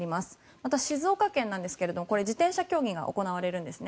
また、静岡県ですがこれは自転車競技が行われるんですね。